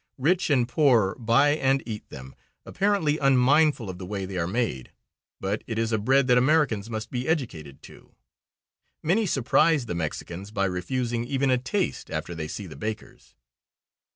Rich and poor buy and eat them, apparently unmindful of the way they are made. But it is a bread that Americans must be educated to. Many surprise the Mexicans by refusing even a taste after they see the bakers.